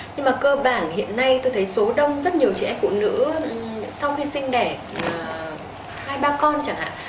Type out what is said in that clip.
nhưng mà cơ bản hiện nay tôi thấy số đông rất nhiều chị em phụ nữ sau khi sinh đẻ hai ba con chẳng hạn